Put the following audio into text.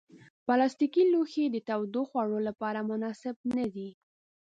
پلاستيکي لوښي د تودو خوړو لپاره مناسب نه دي.